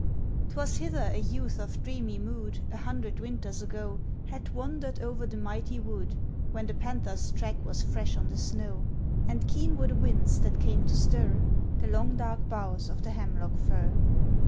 'Twas hither a youth of dreamy mood, A hundred winters ago, Had wandered over the mighty wood, When the panther's track was fresh on the snow, And keen were the winds that came to stir The long dark boughs of the hemlock fir.